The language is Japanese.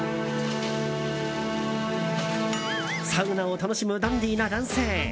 サウナを楽しむダンディな男性。